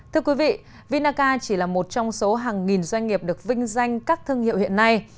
thưa quý vị vinaca chỉ là một trong số hàng nghìn doanh nghiệp được vinh danh các thương hiệu hiện nay